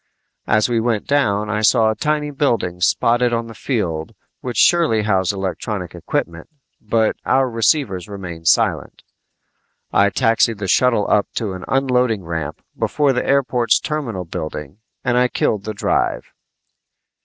As we went down I saw tiny buildings spotted on the field which surely housed electronic equipment, but our receivers remained silent. I taxied the shuttle up to an unloading ramp before the airport's terminal building and I killed the drive.